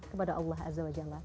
kepada allah swt